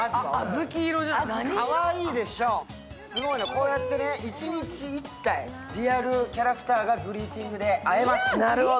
こうやって一日１体、リアルキャラクターがグリーティングで会えます。